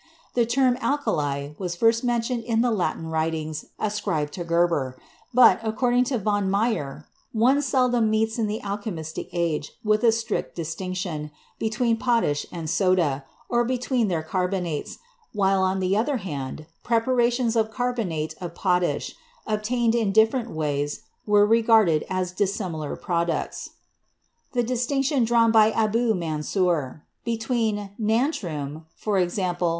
The term "alkali" is first mentioned in the Latin writings ascribed to Geber, but, according to von Meyer, "one seldom meets in the alchemistic age with a strict distinc tion between potash and soda, or between their carbonates, while, on the other hand, preparations of carbonate of potash obtained in different ways were regarded as dis similar products. The distinction drawn by Abu Mansur 54 CHEMISTRY between 'Natrun' — i.e.